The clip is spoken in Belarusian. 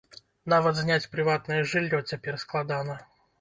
Нават зняць прыватнае жыллё цяпер складана.